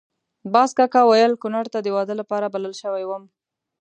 باز کاکا ویل کونړ ته د واده لپاره بلل شوی وم.